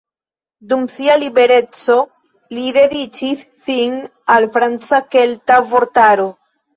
Dum sia mallibereco, li dediĉis sin al franca-kelta vortaro.